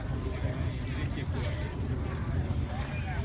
สวัสดีครับคุณผู้ชาย